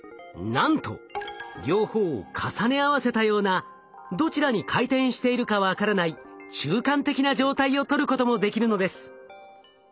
なんと両方を重ね合わせたようなどちらに回転しているか分からない中間的な状態を取ることもできるのです。